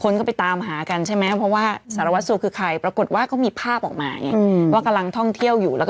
คนก็ไปตามหากันใช่ไหมเพราะว่า